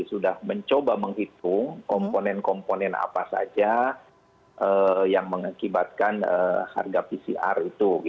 sudah mencoba menghitung komponen komponen apa saja yang mengakibatkan harga pcr itu